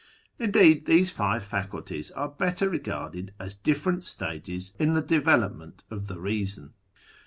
Indeed these five faculties are better regarded as different stages in the development of the Eeason.